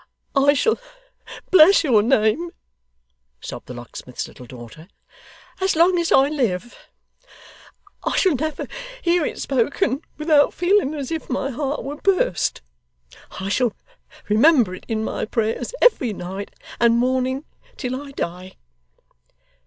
'I shall bless your name,' sobbed the locksmith's little daughter, 'as long as I live. I shall never hear it spoken without feeling as if my heart would burst. I shall remember it in my prayers, every night and morning till I die!